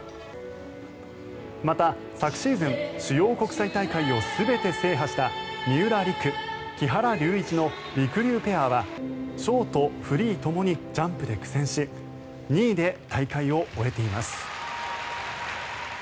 また、昨シーズン主要国際大会を全て制覇した三浦璃来・木原龍一のりくりゅうペアはショート、フリーともにジャンプで苦戦し２位で大会を終えています。